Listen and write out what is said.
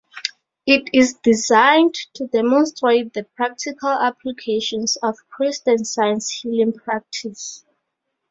It is designed to demonstrate the practical applications of Christian Science healing practice.